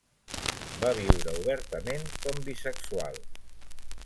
Va viure obertament com bisexual.